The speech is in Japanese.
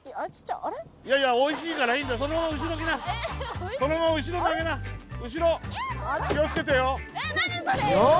いやいやおいしいからいいんだそのまま後ろ来なそのまま後ろに投げな後ろ気をつけてよおお！